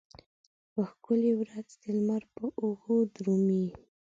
یوه ښکلې ورځ د لمر په اوږو درومې